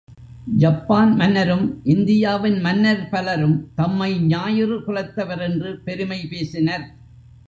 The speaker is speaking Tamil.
ஜப்பான் மன்னரும் இந்தியாவின் மன்னர் பலரும் தம்மை ஞாயிறு குலத்தவர் என்று பெருமை பேசினர்.